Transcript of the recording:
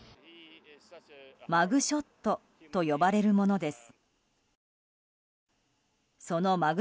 マグショットと呼ばれるものです。